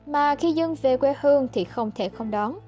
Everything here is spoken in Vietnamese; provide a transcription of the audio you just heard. mà khi dân về quê hương thì không thể không đón